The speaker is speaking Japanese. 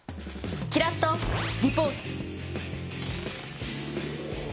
キラッとリポート！